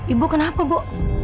ibu kenapa bu